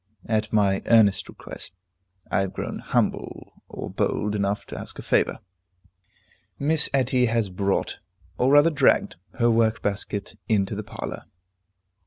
At my earnest request, (I have grown humble or bold enough to ask a favor,) Miss Etty has brought, or rather dragged, her work basket into the parlor.